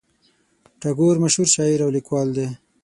ټاګور مشهور شاعر او لیکوال دی.